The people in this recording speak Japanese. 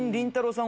さん